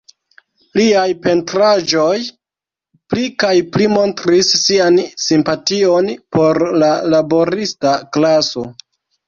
Liaj pentraĵoj pli kaj pli montris sian simpation por la laborista klaso.